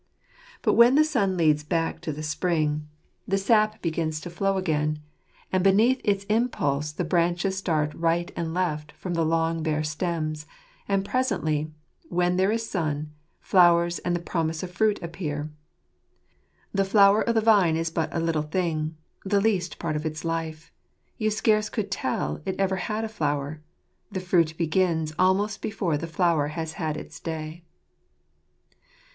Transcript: But when the sun leads back the spring, the sap begins 156 ®Ije Secret of Jfnutfutoss. to flow again ; and beneath its impulse the branches start right and left from the long bare stems, and presently, when there is sun, flowers and the promise of fruit appear. " The flower of the vine is but a little thing, The least part of its life. You scarce could tell It ever had a flower ; the fruit begins Almost before the flower has had its day."